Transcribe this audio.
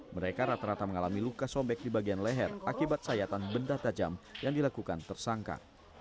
mereka rata rata mengalami luka sobek di bagian leher akibat sayatan benda tajam yang dilakukan tersangka